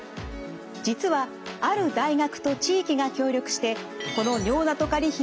実はある大学と地域が協力してこの尿ナトカリ比を測定。